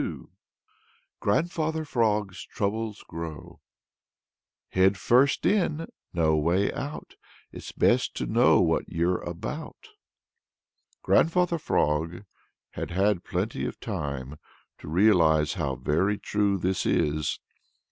XXII GRANDFATHER FROG'S TROUBLES GROW Head first in; no way out; It's best to know what you're about! Grandfather Frog had had plenty of time to realize how very true this is.